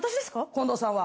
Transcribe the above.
近藤さんは。